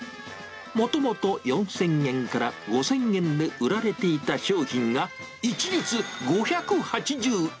もともと４０００円から５０００円で売られていた商品が、一律５８０円。